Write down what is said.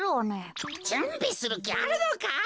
じゅんびするきあるのか！？